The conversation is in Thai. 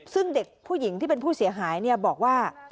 ซึ่งเด็กผู้หญิงที่เป็นผู้เสียหายบอกว่า